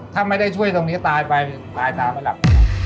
ถ้าไม่ได้ช่วยตรงนี้ตายไปตายตามไปหลับ